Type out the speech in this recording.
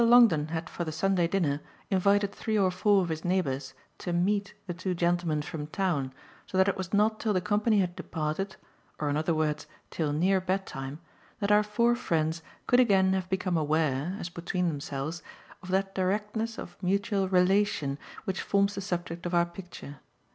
Longdon had for the Sunday dinner invited three or four of his neighbours to "meet" the two gentlemen from town, so that it was not till the company had departed, or in other words till near bedtime, that our four friends could again have become aware, as between themselves, of that directness of mutual relation which forms the subject of our picture.